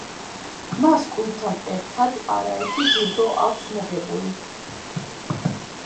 მას კლუბთან ერთად არაერთი ჯილდო აქვს მოგებული.